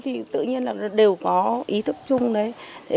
thì tự nhiên là đều có ý thức chung đấy